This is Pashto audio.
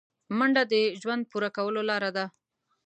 منډه د ژوند پوره کولو لاره ده